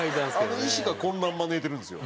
あの石が混乱招いてるんですよ。